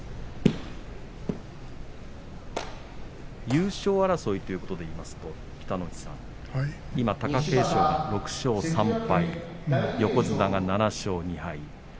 優勝争いということでいいますと貴景勝が６勝３敗、横綱が２敗